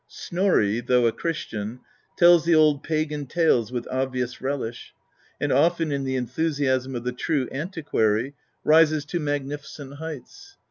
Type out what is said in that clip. Snorri, though a Christian, tells the old pagan tales with obvious relish, and often, in the enthu siasm of the true antiquary, rises to magnificent heights.